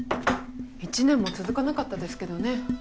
１年も続かなかったですけどね。